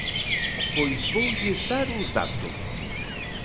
Pois voulles dar uns datos.